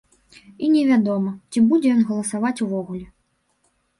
І невядома, ці будзе ён галасаваць увогуле.